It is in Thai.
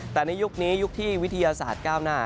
แต่ในยุคนี้ยุคที่วิทยาศาสตร์ก้าวหน้า